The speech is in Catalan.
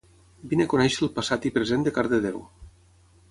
Vine a conèixer el passat i present de Cardedeu